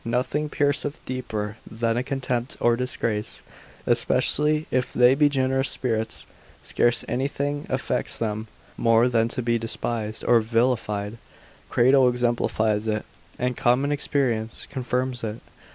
Nothing pierceth deeper than a contempt or disgrace, especially if they be generous spirits, scarce anything affects them more than to be despised or vilified. Crato, consil. 16, l. 2, exemplifies it, and common experience confirms it.